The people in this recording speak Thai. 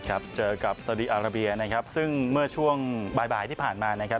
ครับเจอกับสาวดีอาราเบียนะครับซึ่งเมื่อช่วงบ่ายบ่ายที่ผ่านมานะครับ